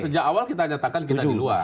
sejak awal kita nyatakan kita di luar